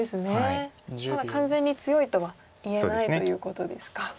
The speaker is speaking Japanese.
まだ完全に強いとは言えないということですか。